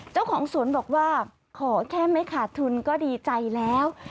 เจ้าของสวนบอกว่าขอแค่ไม่ขาดทุนก็ดีใจแล้ว